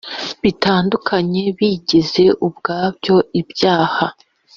bitandukanye bigize ubwabyo ibyaha